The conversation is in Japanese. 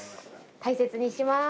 大切にします。